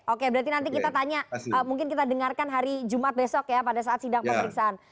oke berarti nanti kita tanya mungkin kita dengarkan hari jumat besok ya pada saat sidang pemeriksaan